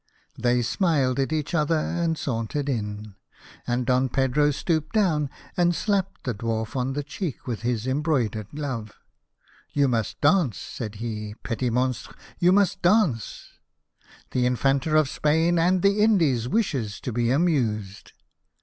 They smiled at each other, and sauntered in, and Don Pedro stooped down, and slapped the Dwarf on the cheek with his embroidered glove. "You must dance," he said, " petit 60 The Birthday of the Infanta. monstre. You must dance. The Infanta of Spain and the Indies wishes to be amused."